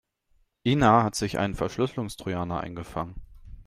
Ina hat sich einen Verschlüsselungstrojaner eingefangen.